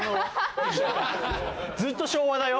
ずっと昭和だよ。